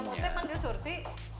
mas nyamute panggil surti